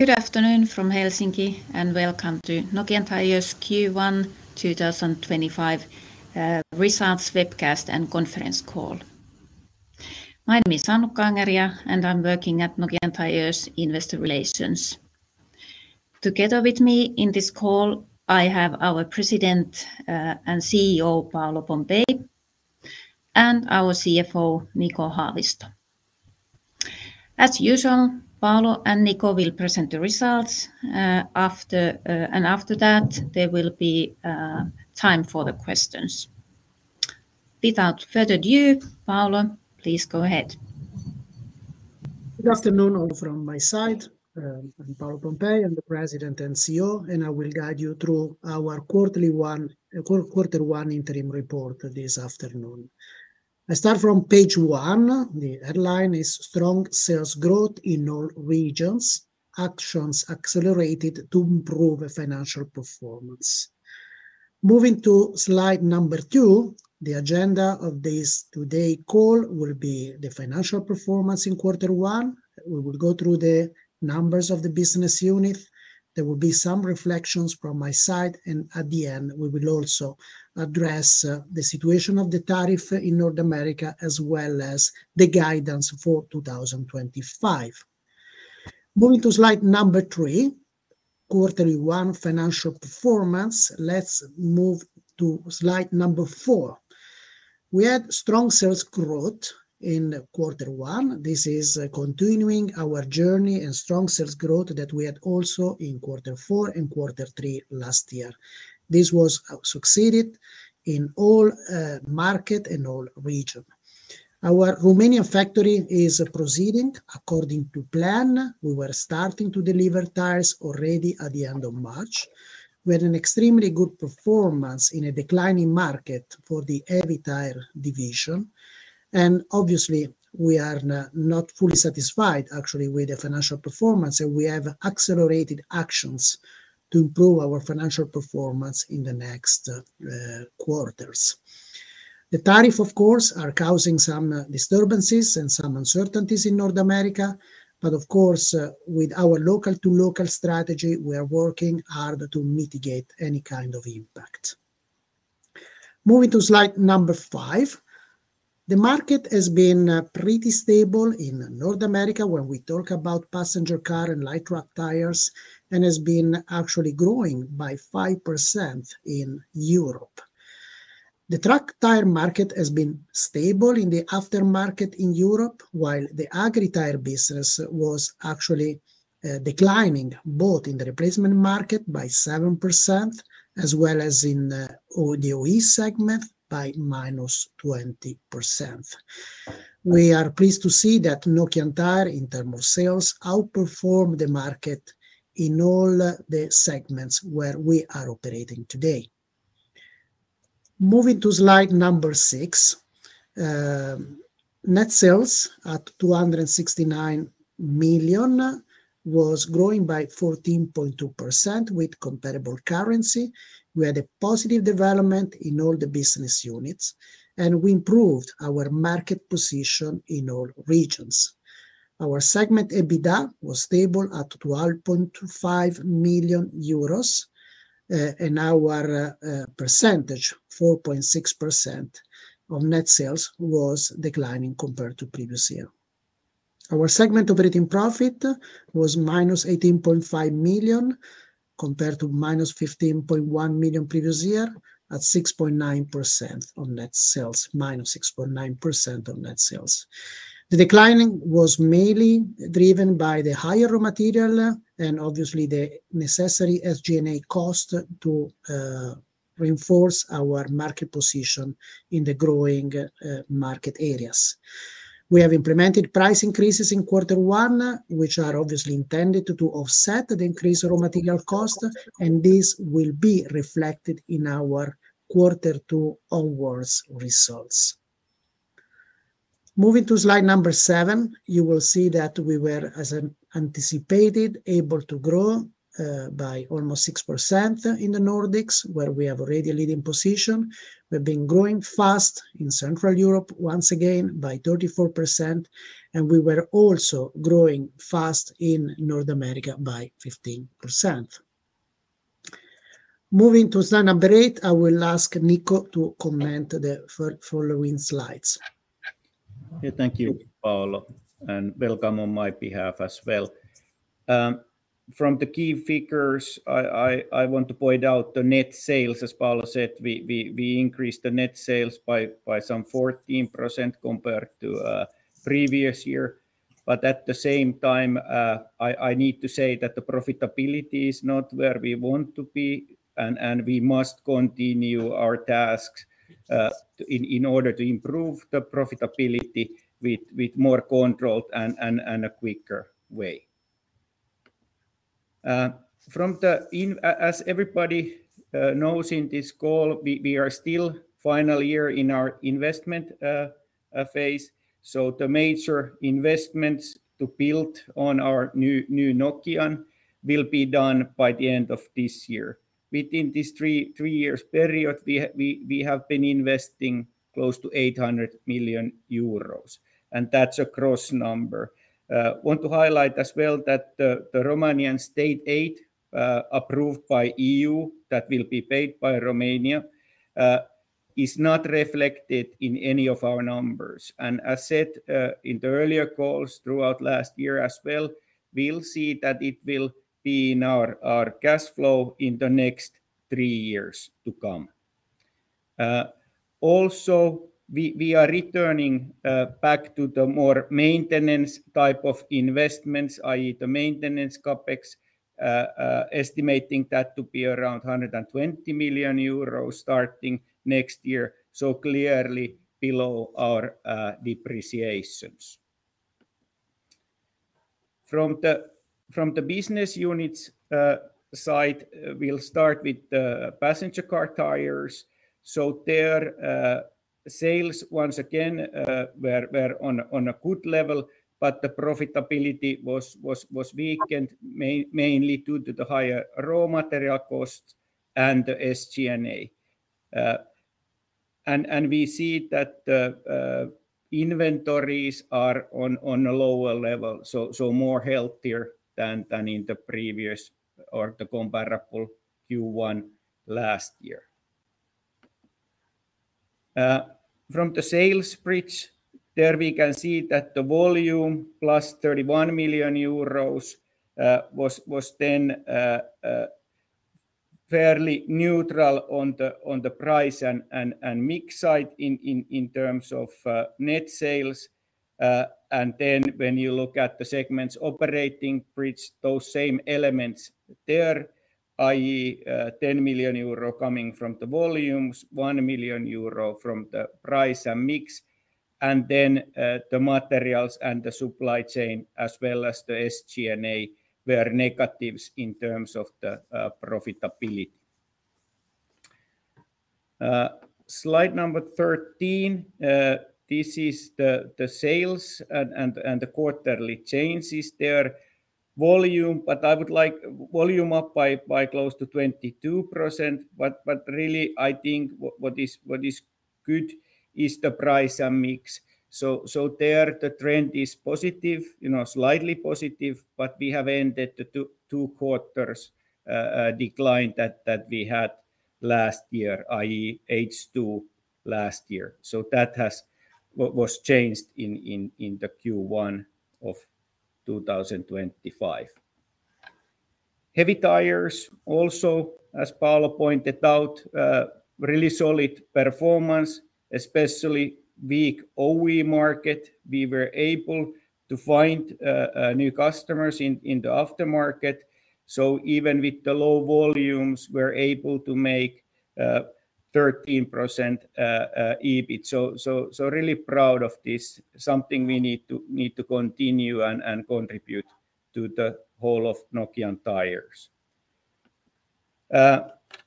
Good afternoon from Helsinki, and welcome to Nokian Tyres Q1 2025 results webcast and conference call. My name is Annukka Angeria, and I'm working at Nokian Tyres Investor Relations. Together with me in this call, I have our President and CEO, Paolo Pompei, and our CFO, Niko Haavisto. As usual, Paolo and Niko will present the results, and after that, there will be time for the questions. Without further ado, Paolo, please go ahead. Good afternoon. From my side, I'm Paolo Pompei, I'm the President and CEO, and I will guide you through our quarter one Interim Report this afternoon. I start from page one. The headline is "Strong Sales Growth in All Regions: Actions Accelerated to Improve Financial Performance." Moving to slide number two, the agenda of this today's call will be the financial performance in Q1. We will go through the numbers of the business unit. There will be some reflections from my side, and at the end, we will also address the situation of the tariff in North America as well as the guidance for 2025. Moving to slide number three, Quarterly one financial performance, let's move to slide number four. We had strong sales growth in quarter one. This is continuing our journey and strong sales growth that we had also in quater four and quarter three last year. This was succeeded in all markets and all regions. Our Romanian factory is proceeding according to plan. We were starting to deliver tires already at the end of March. We had an extremely good performance in a declining market for the heavy tire division. Obviously, we are not fully satisfied, actually, with the financial performance, and we have accelerated actions to improve our financial performance in the next quarters. The tariff, of course, is causing some disturbances and some uncertainties in North America, but of course, with our local-to-local strategy, we are working hard to mitigate any kind of impact. Moving to slide number five, the market has been pretty stable in North America when we talk about passenger car and light truck tires, and has been actually growing by 5% in Europe. The truck tire market has been stable in the aftermarket in Europe, while the agri tire business was actually declining both in the replacement market by 7%, as well as in the OE segment by -20%. We are pleased to see that Nokian Tyres, in terms of sales, outperformed the market in all the segments where we are operating today. Moving to slide number six, net sales at 269 million was growing by 14.2% with comparable currency. We had a positive development in all the business units, and we improved our market position in all regions. Our segment EBITDA was stable at EUR 12.5 million, and our percentage, 4.6% of net sales, was declining compared to previous year. Our segment operating profit was -18.5 million compared to -15.1 million previous year, at 6.9% of net sales. The decline was mainly driven by the higher raw material and obviously the necessary SG&A cost to reinforce our market position in the growing market areas. We have implemented price increases in quarter one, which are obviously intended to offset the increased raw material cost, and this will be reflected in our quarter two onwards results. Moving to slide number seven, you will see that we were, as anticipated, able to grow by almost 6% in the Nordics, where we have already a leading position. We've been growing fast in Central Europe once again by 34%, and we were also growing fast in North America by 15%. Moving to slide number eight, I will ask Niko to comment on the following slides. Thank you, Paolo, and welcome on my behalf as well. From the key figures, I want to point out the net sales, as Paolo said. We increased the net sales by some 14% compared to previous year. At the same time, I need to say that the profitability is not where we want to be, and we must continue our tasks in order to improve the profitability with more control and a quicker way. As everybody knows in this call, we are still in the final year in our investment phase, so the major investments to build on our new Nokian will be done by the end of this year. Within this three-year period, we have been investing close to 800 million euros, and that's a gross number. I want to highlight as well that the Romanian State aid approved by the EU that will be paid by Romania is not reflected in any of our numbers. As said in the earlier calls throughout last year as well, we will see that it will be in our cash flow in the next three years to come. Also, we are returning back to the more maintenance type of investments, i.e., the maintenance capex, estimating that to be around 120 million euros starting next year, so clearly below our depreciations. From the business unit side, we will start with the passenger car tires. Their sales once again were on a good level, but the profitability was weakened mainly due to the higher raw material cost and the SG&A. We see that the inventories are on a lower level, so more healthier than in the previous or the comparable Q1 last year. From the sales spreadsheet, there we can see that the volume plus 31 million euros was then fairly neutral on the price and mix side in terms of net sales. When you look at the segments operating spreadsheet, those same elements there, i.e., 10 million euro coming from the volumes, 1 million euro from the price and mix, and then the materials and the supply chain as well as the SG&A were negatives in terms of the profitability. Slide number 13, this is the sales and the quarterly changes there. Volume, but I would like volume up by close to 22%, but really I think what is good is the price and mix. There the trend is positive, slightly positive, but we have ended the two-quarters decline that we had last year, i.e., H2 last year. That was changed in Q1 of 2025. Heavy tires also, as Paolo pointed out, really solid performnce, especially weak OE market. We were able to find new customers in the aftermarket. Even with the low volumes, we were able to make 13% EBIT. Really proud of this, something we need to continue and contribute to the whole of Nokian Tyres.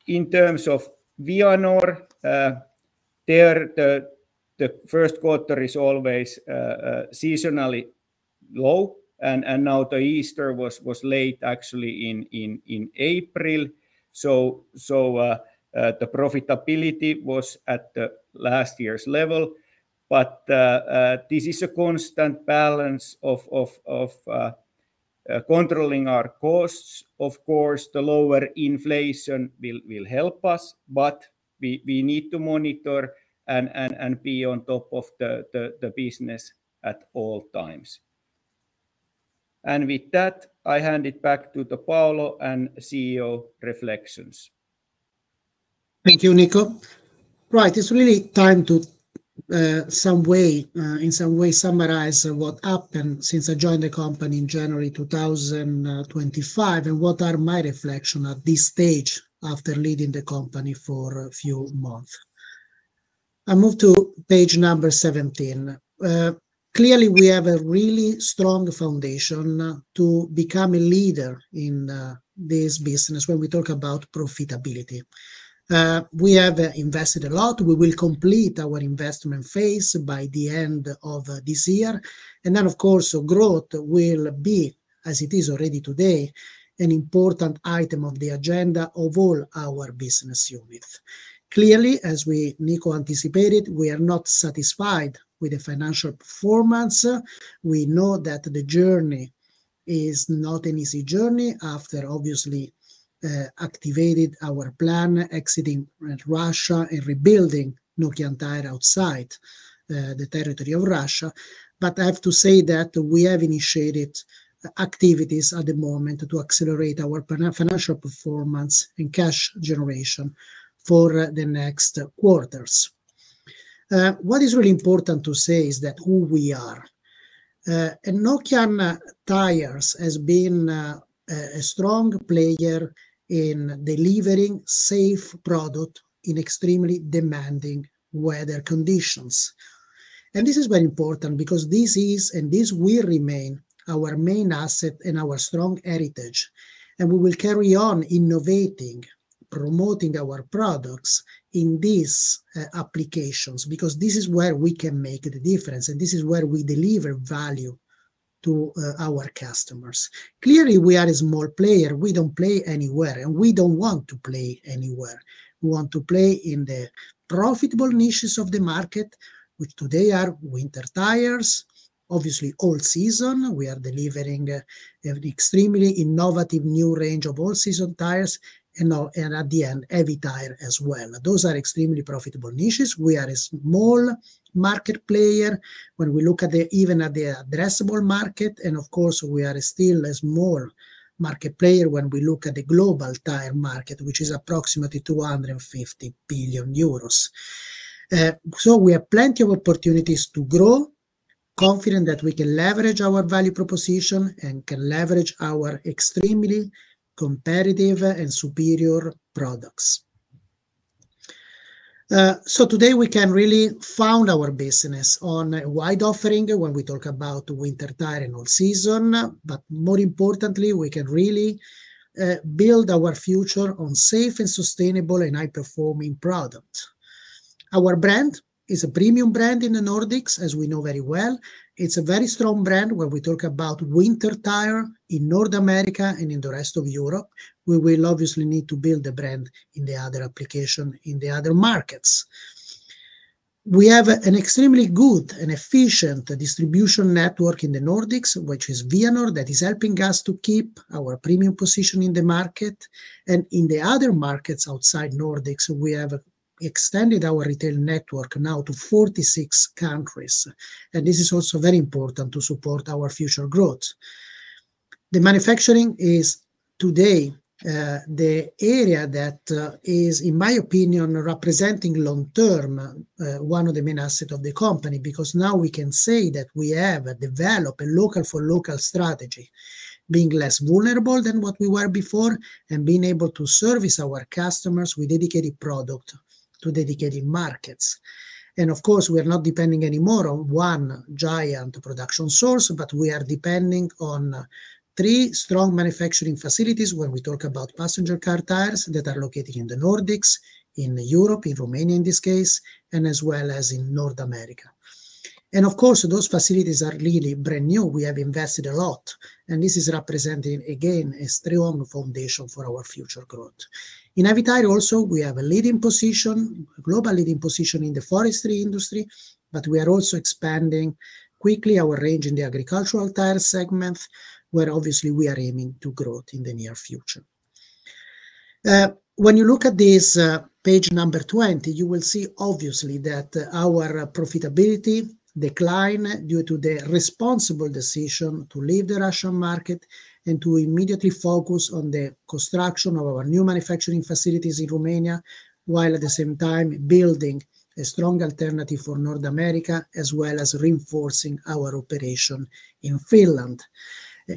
In terms of Vianor, the first quarter is always seasonally low, and now the Easter was late actually in April. The profitability was at last year's level, but this is a constant balance of controlling our costs. Of course, the lower inflation will help us, but we need to monitor and be on top of the business at all times. With that, I hand it back to Paolo and CEO reflections. Thank you, Niko. Right, it's really time to in some way summarize what happened since I joined the company in January 2025 and what are my reflections at this stage after leading the company for a few months. I move to page number 17. Clearly, we have a really strong foundation to become a leader in this business when we talk about profitability. We have invested a lot. We will complete our investment phase by the end of this year. Growth will be, as it is already today, an important item of the agenda of all our business units. Clearly, as Niko anticipated, we are not satisfied with the financial performance. We know that the journey is not an easy journey after obviously activating our plan, exiting Russia and rebuilding Nokian Tyres outside the territory of Russia. I have to say that we have initiated activities at the moment to accelerate our financial performance and cash generation for the next quarters. What is really important to say is who we are. Nokian Tyres has been a strong player in delivering safe products in extremely demanding weather conditions. This is very important because this is, and this will remain, our main asset and our strong heritage. We will carry on innovating, promoting our products in these applications because this is where we can make the difference, and this is where we deliver value to our customers. Clearly, we are a small player. We do not play anywhere, and we do not want to play anywhere. We want to play in the profitable niches of the market, which today are winter tires, obviously all season. We are delivering an extremely innovative new range of all-season tires and at the end, heavy tire as well. Those are extremely profitable niches. We are a small market player when we look at even at the addressable market. Of course, we are still a small market player when we look at the global tire market, which is approximately 250 billion euros. We have plenty of opportunities to grow, confident that we can leverage our value proposition and can leverage our extremely competitive and superior products. Today we can really found our business on a wide offering when we talk about winter tire and all season, but more importantly, we can really build our future on safe and sustainable and high-performing products. Our brand is a premium brand in the Nordics, as we know very well. It's a very strong brand when we talk about winter tire in North America and in the rest of Europe. We will obviously need to build the brand in the other application in the other markets. We have an extremely good and efficient distribution network in the Nordics, which is Vianor, that is helping us to keep our premium position in the market. In the other markets outside Nordics, we have extended our retail network now to 46 countries. This is also very important to support our future growth. The manufacturing is today the area that is, in my opinion, representing long-term one of the main assets of the company because now we can say that we have developed a local for local strategy, being less vulnerable than what we were before and being able to service our customers with dedicated products to dedicated markets. Of course, we are not depending anymore on one giant production source, but we are depending on three strong manufacturing facilities when we talk about passenger car tires that are located in the Nordics, in Europe, in Romania in this case, as well as in North America. Those facilities are really brand new. We have invested a lot, and this is representing again a strong foundation for our future growth. In heavy tire also, we have a leading position, a global leading position in the forestry industry, but we are also expanding quickly our range in the agricultural tire segment where obviously we are aiming to grow in the near future. When you look at this page number 20, you will see obviously that our profitability declined due to the responsible decision to leave the Russian market and to immediately focus on the construction of our new manufacturing facilities in Romania while at the same time building a strong alternative for North America as well as reinforcing our operation in Finland.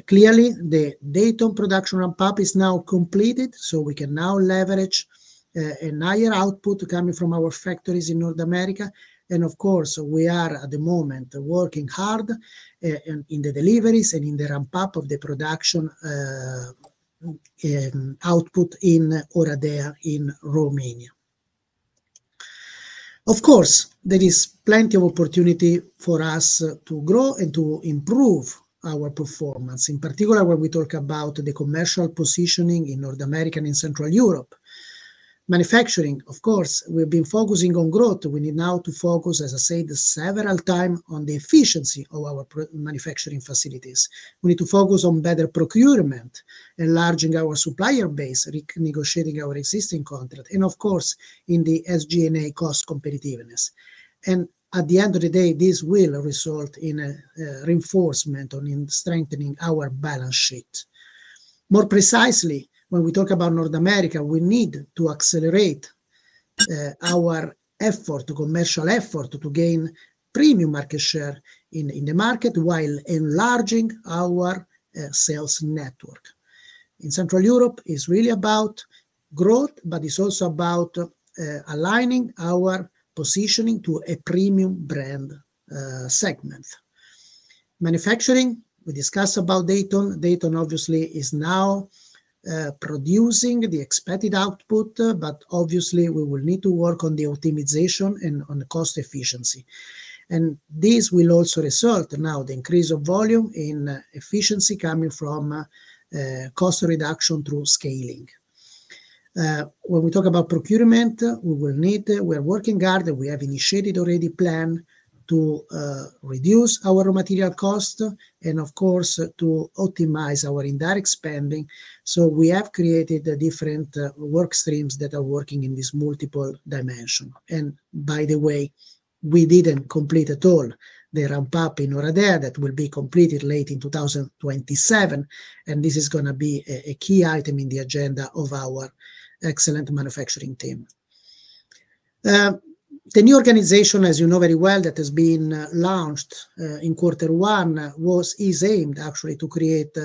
Clearly, the Dayton production ramp-up is now completed, so we can now leverage a higher output coming from our factories in North America. Of course, we are at the moment working hard in the deliveries and in the ramp-up of the production output in Oradea in Romania. Of course, there is plenty of opportunity for us to grow and to improve our performance, in particular when we talk about the commercial positioning in North America and in Central Europe. Manufacturing, of course, we've been focusing on growth. We need now to focus, as I said several times, on the efficiency of our manufacturing facilities. We need to focus on better procurement, enlarging our supplier base, renegotiating our existing contract, and of course, in the SG&A cost competitiveness. At the end of the day, this will result in reinforcement and strengthening our balance sheet. More precisely, when we talk about North America, we need to accelerate our effort, commercial effort, to gain premium market share in the market while enlarging our sales network. In Central Europe, it is really about growth, but it is also about aligning our positioning to a premium brand segment. Manufacturing, we discussed about Dayton. Dayton obviously is now producing the expected output, but obviously we will need to work on the optimization and on the cost efficiency. This will also result now in the increase of volume in efficiency coming from cost reduction through scaling. When we talk about procurement, we are working hard and we have initiated already a plan to reduce our raw material cost and of course to optimize our indirect spending. We have created different work streams that are working in this multiple dimension. By the way, we did not complete at all the ramp-up in Oradea that will be completed late in 2027. This is going to be a key item in the agenda of our excellent manufacturing team. The new organization, as you know very well, that has been launched in quarter one is aimed actually to create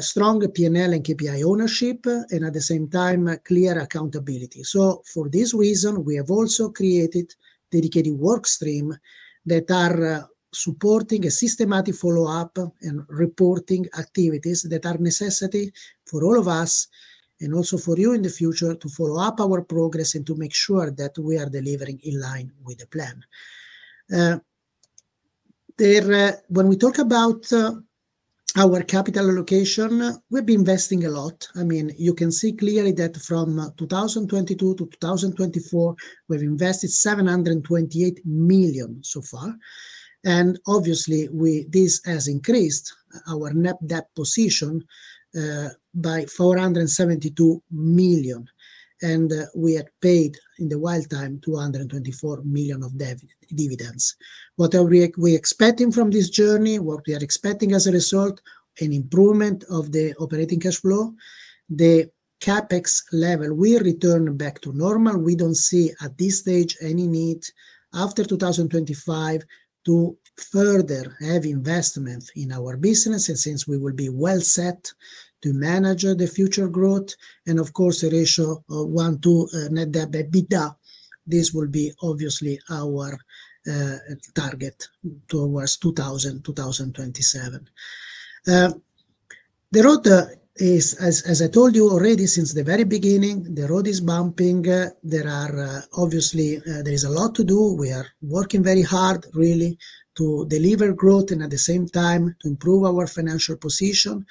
strong P&L and KPI ownership and at the same time clear accountability. For this reason, we have also created dedicated work streams that are supporting a systematic follow-up and reporting activities that are necessary for all of us and also for you in the future to follow up our progress and to make sure that we are delivering in line with the plan. When we talk about our capital allocation, we've been investing a lot. I mean, you can see clearly that from 2022 to 2024, we've invested 728 million so far. Obviously, this has increased our net debt position by 472 million. We had paid in the while time 224 million of dividends. What are we expecting from this journey? What we are expecting as a result, an improvement of the operating cash flow, the CapEx level, we return back to normal. We do not see at this stage any need after 2025 to further have investment in our business since we will be well set to manage the future growth. A ratio of one to net debt EBITDA, this will be obviously our target towards 2027. The road is, as I told you already since the very beginning, the road is bumping. There is a lot to do. We are working very hard really to deliver growth and at the same time to improve our financial position.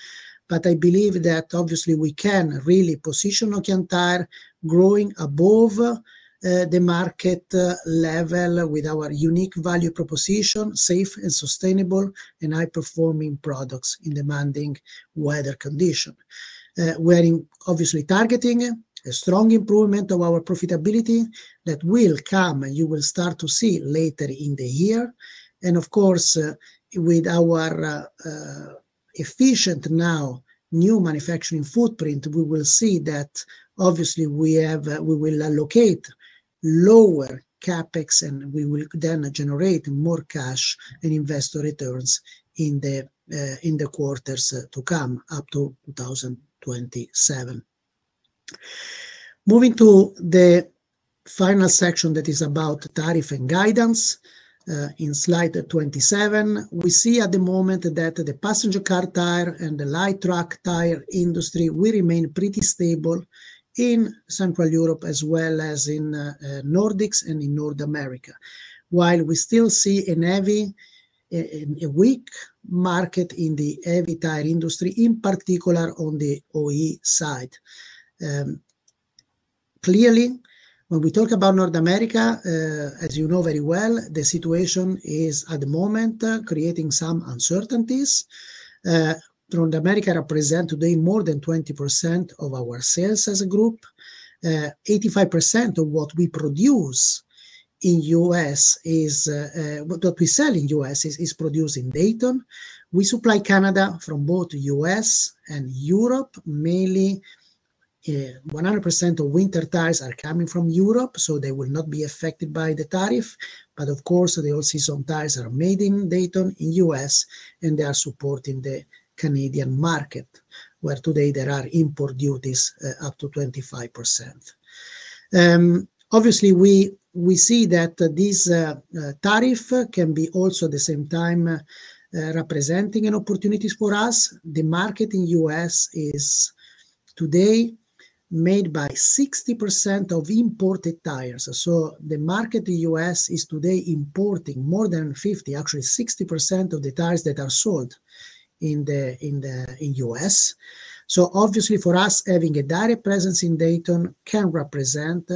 I believe that obviously we can really position Nokian Tyres growing above the market level with our unique value proposition, safe and sustainable and high-performing products in demanding weather conditions. We are obviously targeting a strong improvement of our profitability that will come and you will start to see later in the year. Of course, with our efficient now new manufacturing footprint, we will see that obviously we will allocate lower CapEx and we will then generate more cash and investor returns in the quarters to come up to 2027. Moving to the final section that is about tariff and guidance. In slide 27, we see at the moment that the passenger car tire and the light truck tire industry will remain pretty stable in Central Europe as well as in Nordics and in North America. While we still see a weak market in the heavy tire industry, in particular on the OE side. Clearly, when we talk about North America, as you know very well, the situation is at the moment creating some uncertainties. North America represents today more than 20% of our sales as a group. 85% of what we produce in the U.S. is what we sell in the U.S. is produced in Dayton. We supply Canada from both the U.S. and Europe. Mainly, 100% of winter tires are coming from Europe, so they will not be affected by the tariff. Of course, the all-season tires are made in Dayton, in the U.S., and they are supporting the Canadian market where today there are import duties up to 25%. Obviously, we see that this tariff can be also at the same time representing an opportunity for us. The market in the U.S. is today made by 60% of imported tires. The market in the U.S. is today importing more than 50, actually 60% of the tires that are sold in the U.S. Obviously for us, having a direct presence in Dayton can represent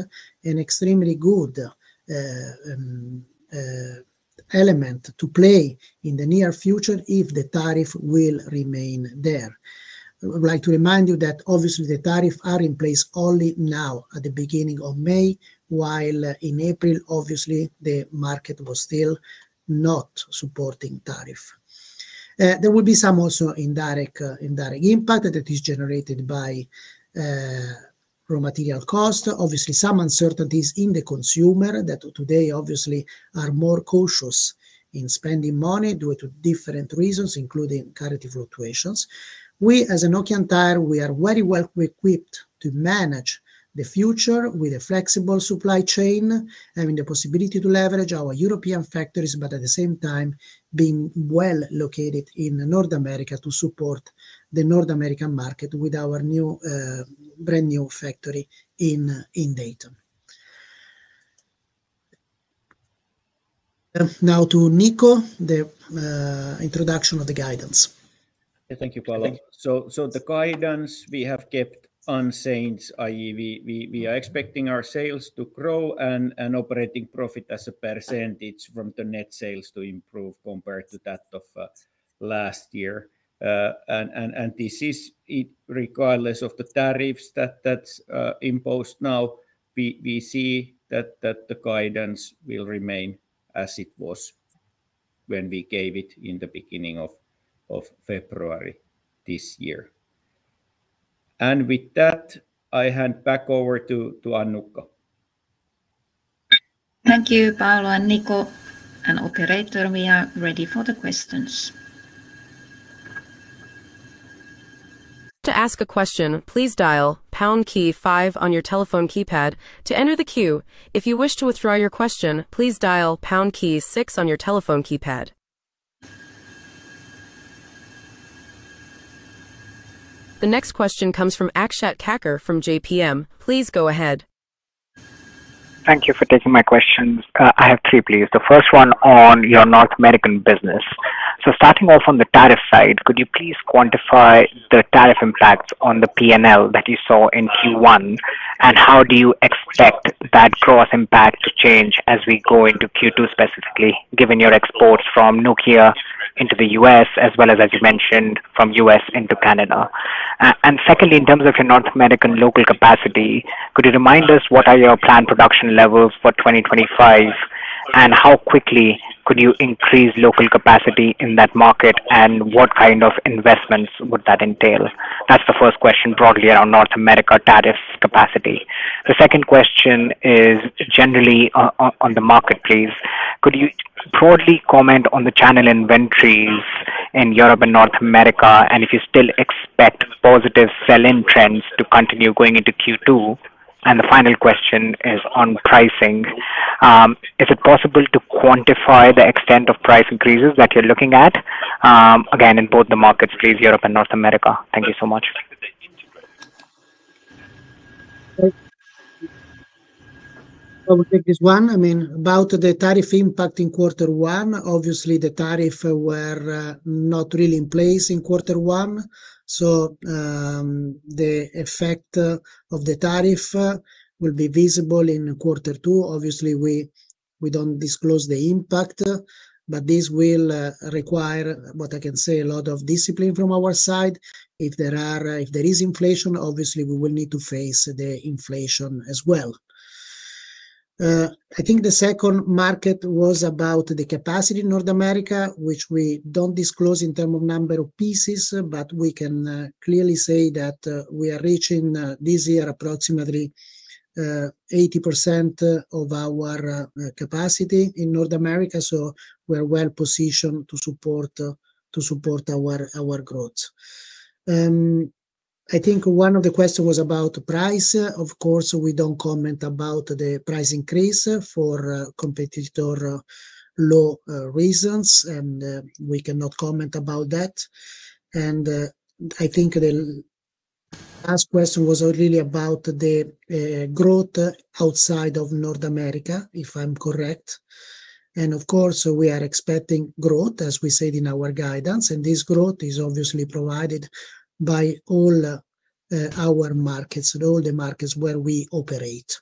an extremely good element to play in the near future if the tariff will remain there. I would like to remind you that obviously the tariffs are in place only now at the beginning of May, while in April, obviously the market was still not supporting tariff. There will be some also indirect impact that is generated by raw material cost. Obviously, some uncertainties in the consumer that today obviously are more cautious in spending money due to different reasons, including currency fluctuations. We, as Nokian Tyres, we are very well equipped to manage the future with a flexible supply chain, having the possibility to leverage our European factories, but at the same time being well located in North America to support the North American market with our brand new factory in Dayton. Now to Niko, the introduction of the guidance. Thank you, Paolo. So the guidance we have kept unchanged, i.e., we are expecting our sales to grow and operating profit as a percentage from the net sales to improve compared to that of last year. This is regardless of the tariffs that are imposed now, we see that the guidance will remain as it was when we gave it in the beginning of February this year. With that, I hand back over to Annukka. Thank you, Paolo and Niko. Operator, we are ready for the questions. To ask a question, please dial pound key five on your telephone keypad to enter the queue. If you wish to withdraw your question, please dial pound key six on your telephone keypad. The next question comes from Akshat Kacker from JPM. Please go ahead. Thank you for taking my questions. I have three, please. The first one on your North American business. Starting off on the tariff side, could you please quantify the tariff impacts on the P&L that you saw in Q1, and how do you expect that cross impact to change as we go into Q2 specifically, given your exports from Nokia into the U.S., as well as, as you mentioned, from U.S. into Canada? Secondly, in terms of your North American local capacity, could you remind us what are your planned production levels for 2025, and how quickly could you increase local capacity in that market, and what kind of investments would that entail? That's the first question broadly around North America tariff capacity. The second question is generally on the market, please. Could you broadly comment on the channel inventories in Europe and North America, and if you still expect positive selling trends to continue going into Q2? The final question is on pricing. Is it possible to quantify the extent of price increases that you're looking at? Again, in both the markets, please, Europe and North America. Thank you so much. I will take this one. I mean, about the tariff impact in quarter one, obviously the tariffs were not really in place in quarter one. The effect of the tariff will be visible in quarter two. Obviously, we do not disclose the impact, but this will require, what I can say, a lot of discipline from our side. If there is inflation, obviously we will need to face the inflation as well. I think the second market was about the capacity in North America, which we do not disclose in terms of number of pieces, but we can clearly say that we are reaching this year approximately 80% of our capacity in North America. We are well positioned to support our growth. I think one of the questions was about price. Of course, we do not comment about the price increase for competitor law reasons, and we cannot comment about that. I think the last question was really about the growth outside of North America, if I am correct. We are expecting growth, as we said in our guidance, and this growth is obviously provided by all our markets and all the markets where we operate.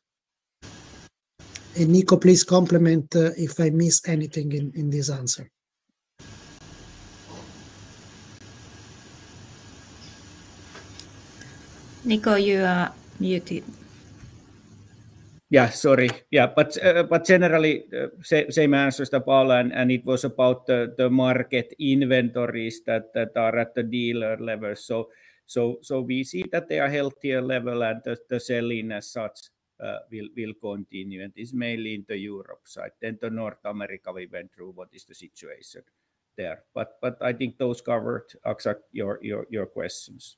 Niko, please complement if I missed anything in this answer. Niko, you are muted. Yeah, sorry. Yeah, but generally, same answer as Paolo, and it was about the market inventories that are at the dealer level. We see that they are at a healthier level, and the selling as such will continue. It is mainly in the Europe side. To North America, we went through what is the situation there. I think those covered your questions.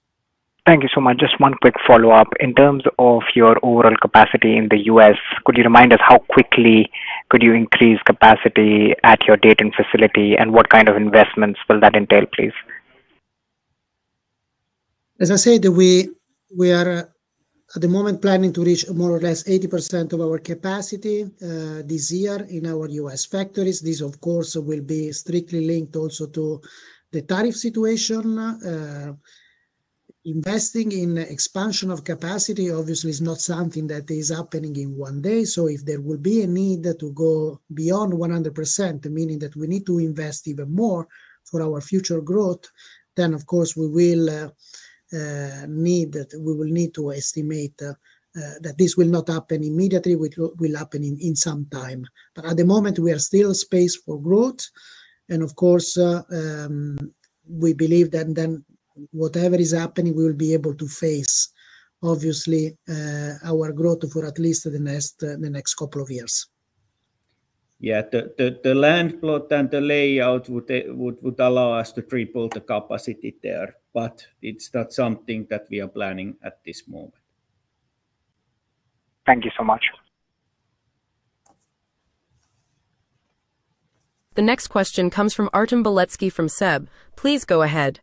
Thank you so much. Just one quick follow-up. In terms of your overall capacity in the US, could you remind us how quickly could you increase capacity at your Dayton facility, and what kind of investments will that entail, please? As I said, we are at the moment planning to reach more or less 80% of our capacity this year in our U.S. factories. This, of course, will be strictly linked also to the tariff situation. Investing in expansion of capacity, obviously, is not something that is happening in one day. If there will be a need to go beyond 100%, meaning that we need to invest even more for our future growth, then of course, we will need to estimate that this will not happen immediately. It will happen in some time. At the moment, we are still space for growth. Of course, we believe that then whatever is happening, we will be able to face, obviously, our growth for at least the next couple of years. Yeah, the land plot and the layout would allow us to triple the capacity there, but it is not something that we are planning at this moment. Thank you so much. The next question comes from Artem Beletski from SEB. Please go ahead.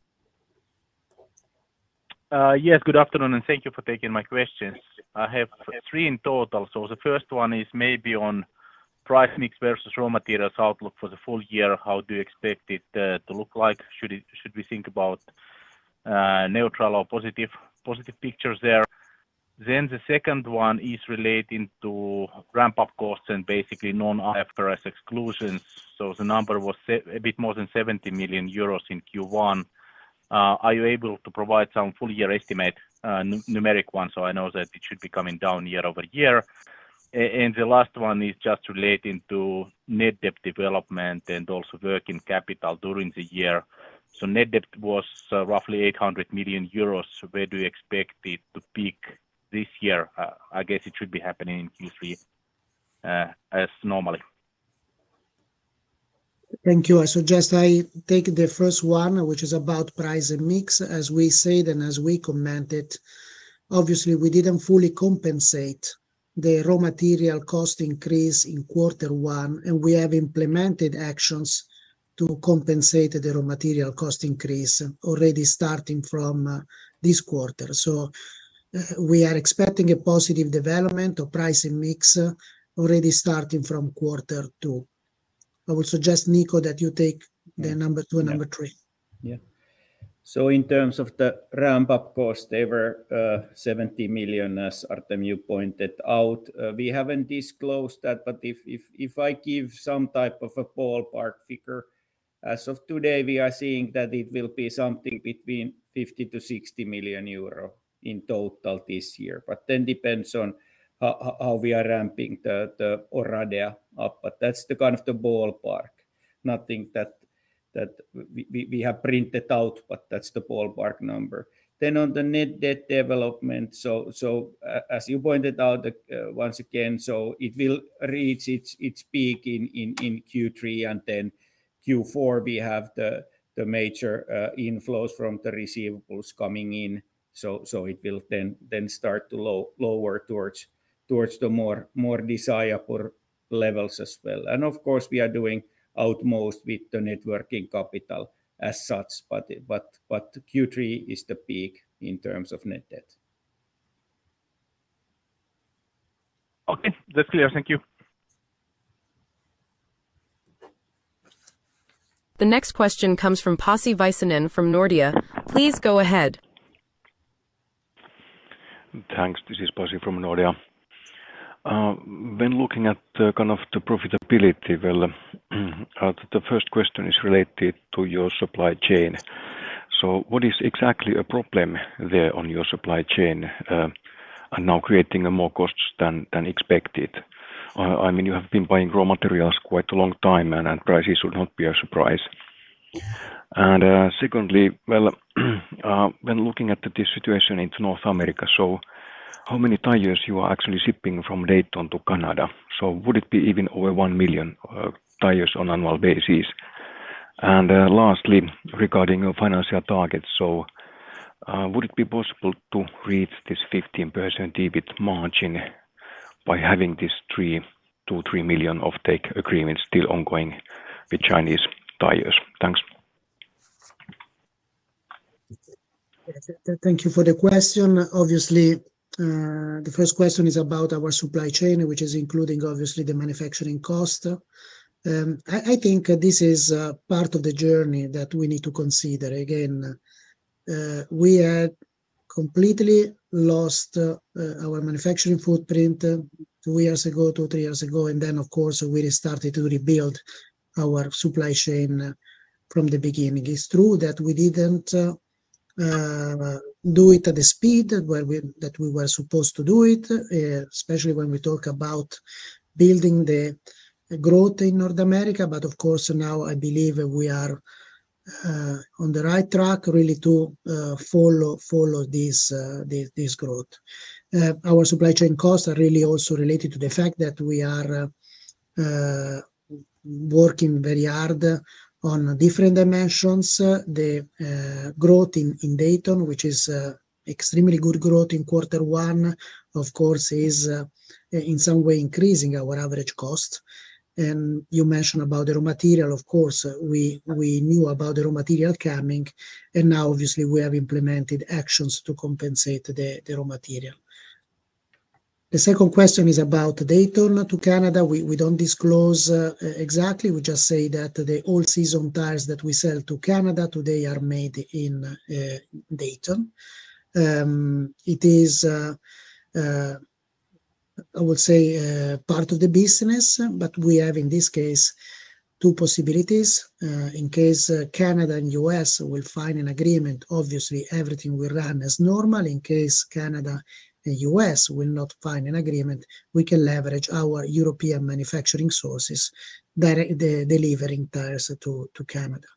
Yes, good afternoon, and thank you for taking my questions. I have three in total. The first one is maybe on price mix versus raw materials outlook for the full year. How do you expect it to look like? Should we think about neutral or positive pictures there? The second one is relating to ramp-up costs and basically non-IFRS exclusions. The number was a bit more than 70 million euros in Q1. Are you able to provide some full-year estimate, numeric one, so I know that it should be coming down year over year? The last one is just relating to net debt development and also working capital during the year. Net debt was roughly 800 million euros. Where do you expect it to peak this year? I guess it should be happening in Q3 as normally. Thank you. I suggest I take the first one, which is about price and mix, as we said and as we commented. Obviously, we did not fully compensate the raw material cost increase in quarter one, and we have implemented actions to compensate the raw material cost increase already starting from this quarter. We are expecting a positive development of price and mix already starting from quarter two. I will suggest, Niko, that you take the number two and number three. Yeah. In terms of the ramp-up cost, they were 70 million, as Artem, you pointed out. We have not disclosed that, but if I give some type of a ballpark figure, as of today, we are seeing that it will be something between 50-60 million euro in total this year. That depends on how we are ramping the Oradea up. That is the kind of the ballpark. Nothing that we have printed out, but that's the ballpark number. On the net debt development, as you pointed out once again, it will reach its peak in Q3, and in Q4, we have the major inflows from the receivables coming in. It will then start to lower towards the more desirable levels as well. Of course, we are doing our most with the net working capital as such, but Q3 is the peak in terms of net debt. Okay, that's clear. Thank you. The next question comes from Pasi Vaisanen from Nordea. Please go ahead. Thanks. This is Pasi from Nordea. When looking at kind of the profitability, the first question is related to your supply chain. What is exactly a problem there on your supply chain and now creating more costs than expected? I mean, you have been buying raw materials quite a long time, and prices should not be a surprise. Secondly, when looking at this situation in North America, how many tires are you actually shipping from Dayton to Canada? Would it be even over 1 million tires on an annual basis? Lastly, regarding your financial targets, would it be possible to reach this 15% EBIT margin by having this 2-3 million off-take agreement still ongoing with Chinese tires? Thanks. Thank you for the question. Obviously, the first question is about our supply chain, which is including obviously the manufacturing cost. I think this is part of the journey that we need to consider. Again, we had completely lost our manufacturing footprint two or three years ago, and then, of course, we started to rebuild our supply chain from the beginning. It's true that we didn't do it at the speed that we were supposed to do it, especially when we talk about building the growth in North America. Of course, now I believe we are on the right track really to follow this growth. Our supply chain costs are really also related to the fact that we are working very hard on different dimensions. The growth in Dayton, which is extremely good growth in quarter one, of course, is in some way increasing our average cost. You mentioned about the raw material, of course, we knew about the raw material coming, and now obviously we have implemented actions to compensate the raw material. The second question is about Dayton to Canada. We don't disclose exactly. We just say that the all-season tires that we sell to Canada today are made in Dayton. It is, I will say, part of the business, but we have in this case two possibilities. In case Canada and U.S. will find an agreement, obviously everything will run as normal. In case Canada and U.S. will not find an agreement, we can leverage our European manufacturing sources that are delivering tires to Canada.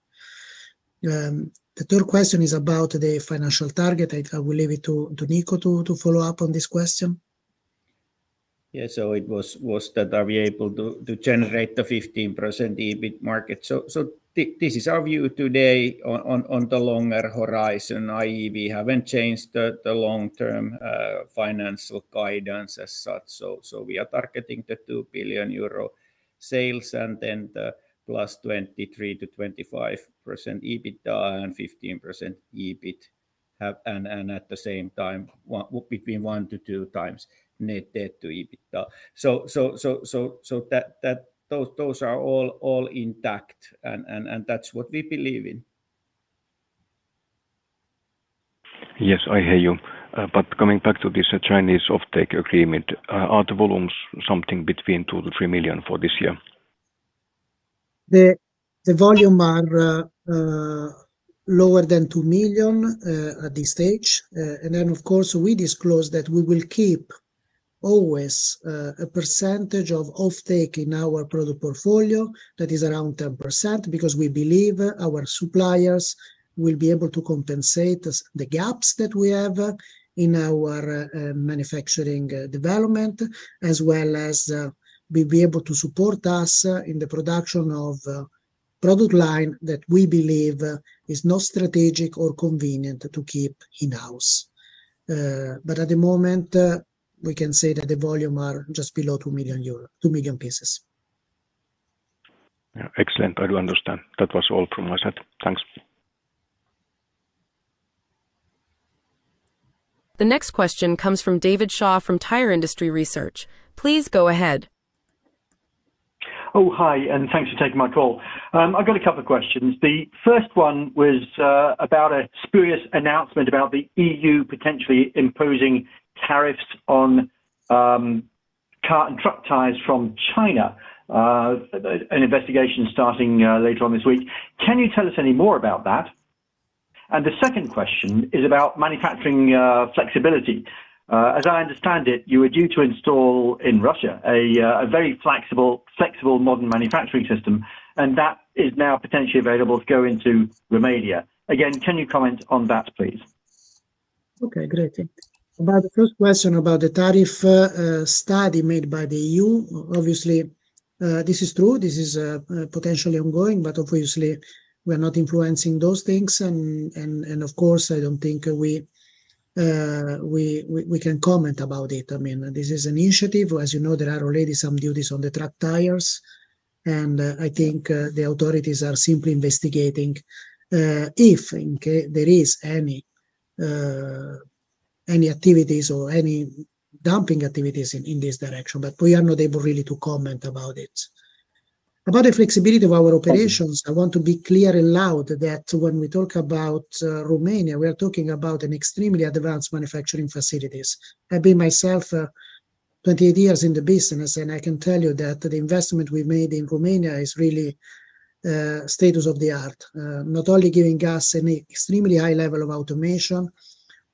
The third question is about the financial target. I will leave it to Niko to follow up on this question. Yeah, so it was that are we able to generate the 15% EBIT margin? This is our view today on the longer horizon, i.e., we have not changed the long-term financial guidance as such. We are targeting the 2 billion euro sales and then the plus 23-25% EBITDA and 15% EBIT, and at the same time, between one to two times net debt to EBITDA. Those are all intact, and that is what we believe in. Yes, I hear you. Coming back to this Chinese off-take agreement, are the volumes something between 2-3 million for this year? The volume is lower than 2 million at this stage. Of course, we disclose that we will always keep a percentage of off-take in our product portfolio that is around 10% because we believe our suppliers will be able to compensate the gaps that we have in our manufacturing development, as well as be able to support us in the production of product lines that we believe are not strategic or convenient to keep in-house. At the moment, we can say that the volume is just below 2 million pieces. Excellent. I do understand. That was all from my side. Thanks. The next question comes from David Shaw from Tire Industry Research. Please go ahead. Oh, hi, and thanks for taking my call. I've got a couple of questions. The first one was about a spurious announcement about the EU potentially imposing tariffs on car and truck tires from China, an investigation starting later on this week. Can you tell us any more about that? The second question is about manufacturing flexibility. As I understand it, you were due to install in Russia a very flexible modern manufacturing system, and that is now potentially available to go into Romania. Again, can you comment on that, please? Okay, great. About the first question about the tariff study made by the EU, obviously, this is true. This is potentially ongoing, but obviously, we are not influencing those things. Of course, I don't think we can comment about it. I mean, this is an initiative. As you know, there are already some duties on the truck tires, and I think the authorities are simply investigating if there are any activities or any dumping activities in this direction, but we are not able really to comment about it. About the flexibility of our operations, I want to be clear and loud that when we talk about Romania, we are talking about extremely advanced manufacturing facilities. I've been myself 28 years in the business, and I can tell you that the investment we've made in Romania is really state of the art, not only giving us an extremely high level of automation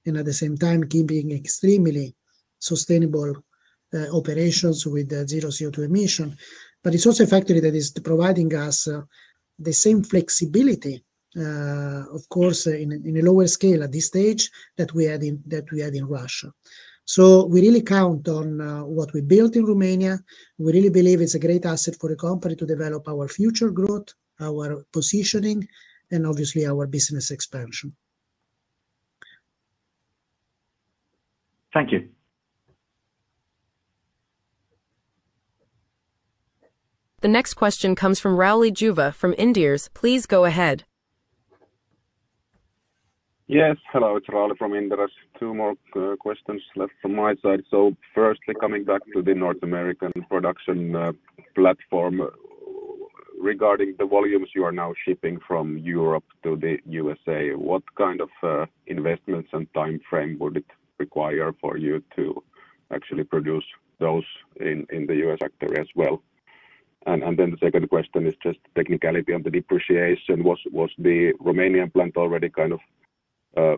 and at the same time keeping extremely sustainable operations with zero CO2 emission, but it's also a factory that is providing us the same flexibility, of course, in a lower scale at this stage that we have in Russia. We really count on what we built in Romania. We really believe it's a great asset for a company to develop our future growth, our positioning, and obviously our business expansion. Thank you. The next question comes from Rauli Juva from Inderes. Please go ahead. Yes, hello, it's Rowley from Inderes. Two more questions left from my side. Firstly, coming back to the North American production platform, regarding the volumes you are now shipping from Europe to the U.SA., what kind of investments and time frame would it require for you to actually produce those in the U.S. factory as well? The second question is just a technicality on the depreciation. Was the Romanian plant already kind of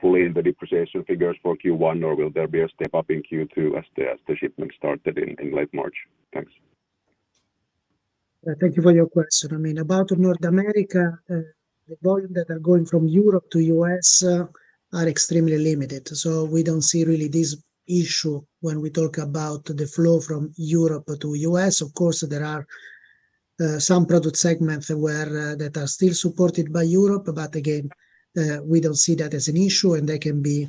fully in the depreciation figures for Q1, or will there be a step up in Q2 as the shipment started in late March? Thanks. Thank you for your question. I mean, about North America, the volumes that are going from Europe to the U.S. are extremely limited. We do not see really this issue when we talk about the flow from Europe to the U.S. Of course, there are some product segments that are still supported by Europe, but again, we do not see that as an issue, and they can be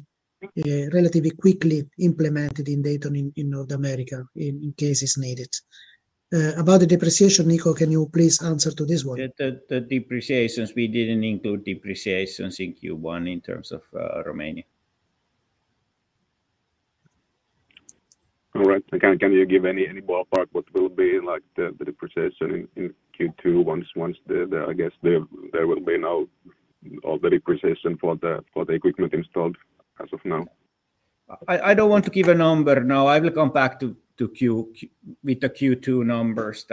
relatively quickly implemented in Dayton in North America in cases needed. About the depreciation, Niko, can you please answer to this one? The depreciations, we did not include depreciations in Q1 in terms of Romania. All right. Can you give any ballpark what will be the depreciation in Q2 once, I guess, there will be no already precision for the equipment installed as of now? I do not want to give a number now. I will come back to with the Q2 numbers.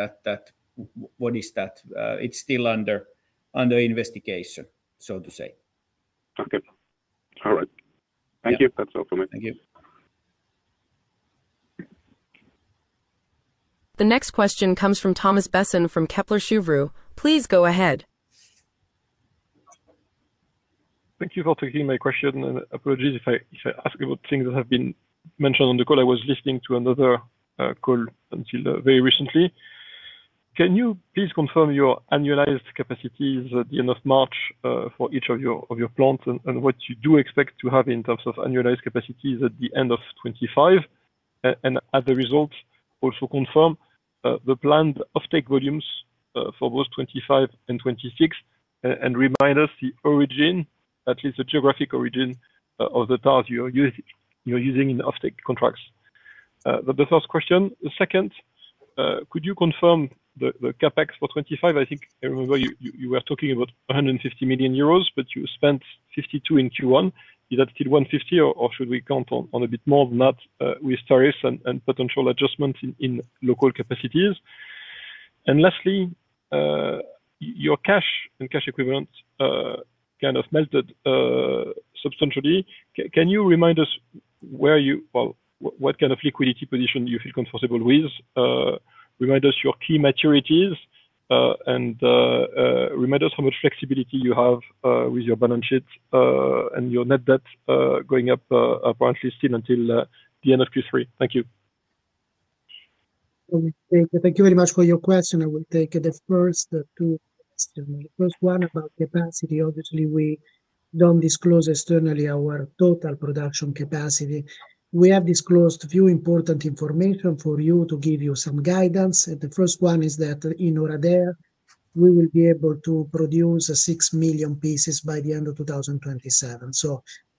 What is that? It's still under investigation, so to say. Okay. All right. Thank you. That's all from me. Thank you. The next question comes from Thomas Besson from Kepler Cheuvreux. Please go ahead. Thank you for taking my question. Apologies if I ask about things that have been mentioned on the call. I was listening to another call until very recently. Can you please confirm your annualized capacities at the end of March for each of your plants and what you do expect to have in terms of annualized capacities at the end of 2025? And as a result, also confirm the planned off-take volumes for both 2025 and 2026 and remind us the origin, at least the geographic origin of the tires you are using in off-take contracts. The first question. The second, could you confirm the CapEx for 2025? I think I remember you were talking about 150 million euros, but you spent 52 million in Q1. Is that still 150 million, or should we count on a bit more than that with tariffs and potential adjustments in local capacities? Lastly, your cash and cash equivalent kind of melted substantially. Can you remind us where you, what kind of liquidity position do you feel comfortable with? Remind us your key maturities and remind us how much flexibility you have with your balance sheet and your net debt going up apparently still until the end of Q3. Thank you. Thank you very much for your question. I will take the first two questions. The first one about capacity. Obviously, we do not disclose externally our total production capacity. We have disclosed a few important information for you to give you some guidance. The first one is that in Oradea, we will be able to produce 6 million pieces by the end of 2027.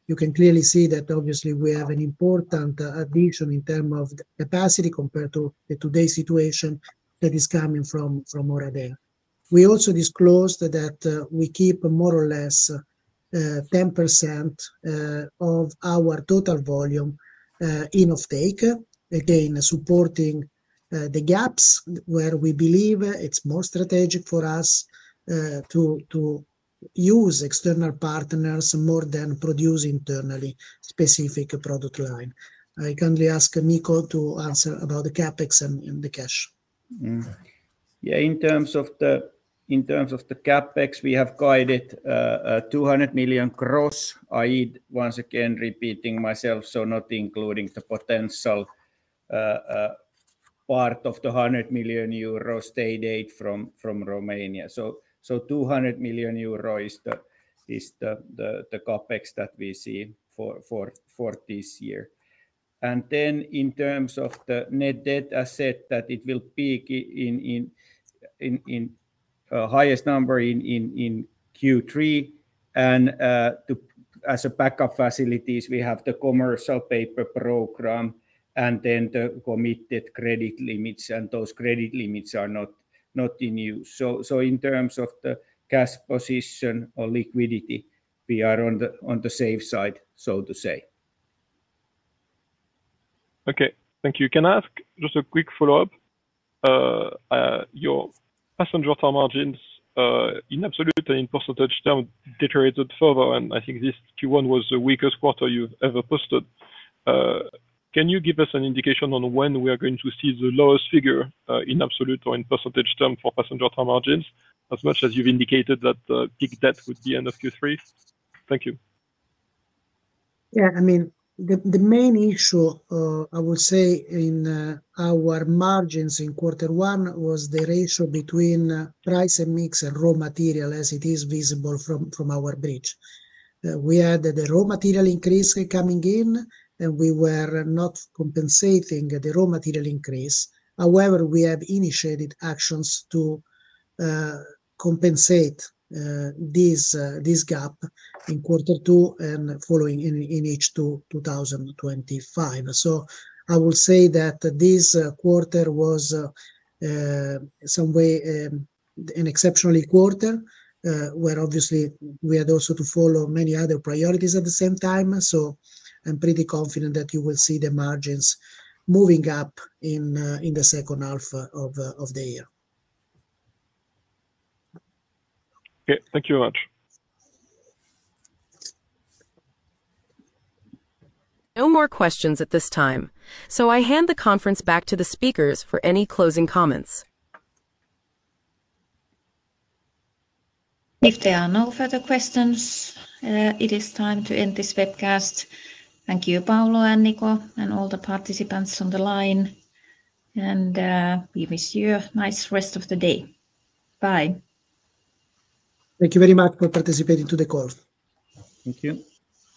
You can clearly see that obviously we have an important addition in terms of capacity compared to today's situation that is coming from Oradea. We also disclosed that we keep more or less 10% of our total volume in off-take, again, supporting the gaps where we believe it's more strategic for us to use external partners more than produce internally specific product line. I kindly ask Niko to answer about the capex and the cash. Yeah, in terms of the capex, we have guided 200 million, i.e., once again repeating myself, not including the potential part of the 100 million euro state aid from Romania. 200 million euro is the capex that we see for this year. In terms of the net debt, I said that it will peak in highest number in Q3. As a backup facilities, we have the commercial paper program and then the committed credit limits, and those credit limits are not in use. In terms of the cash position or liquidity, we are on the safe side, so to say. Okay, thank you. Can I ask just a quick follow-up? Your passenger car margins in absolute and in percentage term deteriorated further, and I think this Q1 was the weakest quarter you've ever posted. Can you give us an indication on when we are going to see the lowest figure in absolute or in percentage term for passenger car margins? As much as you've indicated that peak debt would be end of Q3. Thank you. Yeah, I mean, the main issue, I would say, in our margins in quarter one was the ratio between price and mix and raw material as it is visible from our bridge. We had the raw material increase coming in, and we were not compensating the raw material increase. However, we have initiated actions to compensate this gap in quarter two and following in H2 2025. I will say that this quarter was in some way an exceptional quarter where obviously we had also to follow many other priorities at the same time. I am pretty confident that you will see the margins moving up in the second half of the year. Okay, thank you very much. No more questions at this time. I hand the conference back to the speakers for any closing comments. If there are no further questions, it is time to end this webcast. Thank you, Paolo and Niko, and all the participants on the line. We wish you a nice rest of the day. Bye. Thank you very much for participating in the call. Thank you.